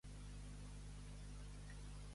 A Vilanova d'Éssera, poques sopes.